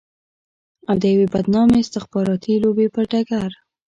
او د يوې بدنامې استخباراتي لوبې پر ډګر.